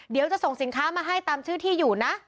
เดี๋ยวจะส่งสินค้ามาให้ตามชื่อที่อยู่นะ